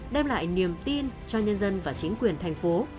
đem lại niềm tin cho nhân dân và chính quyền thành phố